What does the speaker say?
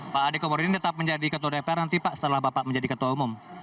pak ade komarudin tetap menjadi ketua dpr nanti pak setelah bapak menjadi ketua umum